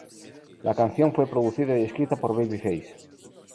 La canción fue producida y escrita por Babyface.